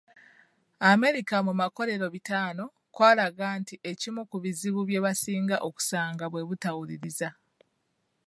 America mu makolero bitaano kwalaga nti ekimu ku bizibu bye basinga okusanga bwe butawuliriza.